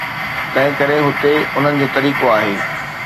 تنهنڪري هتي انهن جو طريقو آهي.